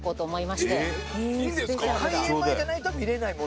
開園前じゃないと見れないもの